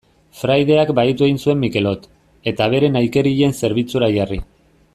Fraideak bahitu egin zuen Mikelot, eta bere nahikerien zerbitzura jarri.